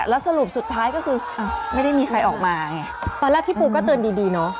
แล้วสรุปสุดท้ายก็คือไม่ได้มีใครออกมาไงตอนแรกพี่ปูก็เตือนดีดีเนอะ